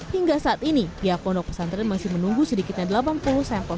hingga saat ini pihak pondok pesantren masih menunggu sedikitnya delapan puluh sampel